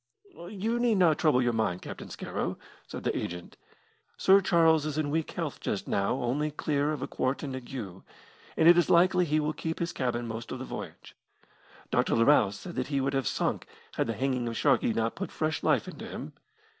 "You need not trouble your mind, Captain Scarrow," said the agent. "Sir Charles is in weak health just now, only clear of a quartan ague, and it is likely he will keep his cabin most of the voyage. Dr. Larousse said that he would have sunk had the hanging of Sharkey not put fresh life into him.